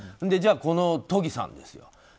じゃあこの都議さんですよ。